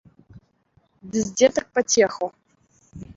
Ды з дзетак пацеху.